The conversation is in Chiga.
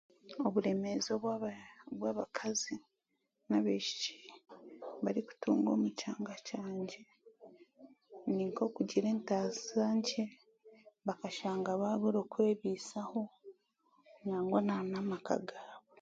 Oburemeezi obw'a obw'abakazi n'abaishiki obu barikutunga omu kyanga kyangye nink'okugira entaasa nkye bakashanga baabura okwebiisaho nangwa n'anamaka gaabo.